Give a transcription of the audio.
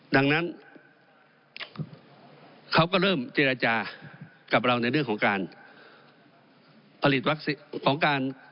ดังนั้นเขาก็เริ่มเจรจากับเราในเรื่องของการ